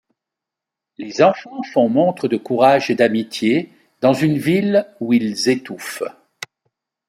Les enfants font montre de courage et d'amitié dans une ville où ils étouffent.